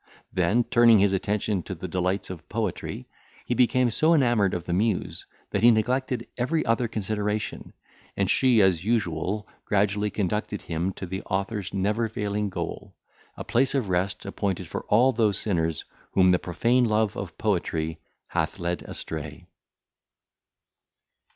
Then turning his attention to the delights of poetry, he became so enamoured of the muse, that he neglected every other consideration, and she as usual gradually conducted him to the author's never failing goal—a place of rest appointed for all those sinners whom the profane love of poesy hath led astray.